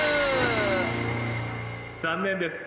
残念です。